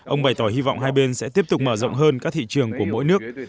ông bày tỏ hy vọng hai bên sẽ tiếp tục mở rộng hơn các thị trường của mỗi nước